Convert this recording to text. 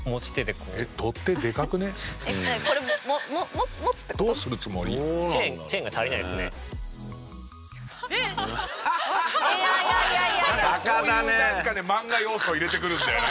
こういうなんかね漫画要素を入れてくるんだよな